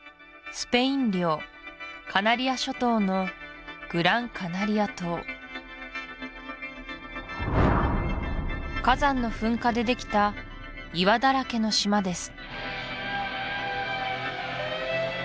スペイン領カナリア諸島のグラン・カナリア島火山の噴火でできた岩だらけの島です